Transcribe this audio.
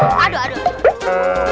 aduh aduh aduh